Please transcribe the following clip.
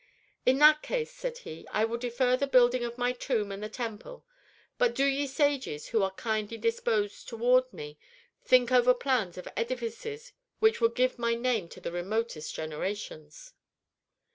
"In that case," said he, "I will defer the building of my tomb and the temple. But do ye sages who are kindly disposed toward me, think over plans of edifices which would give my name to the remotest generations."